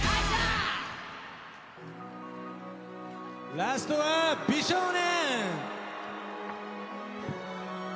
ラストは、美少年！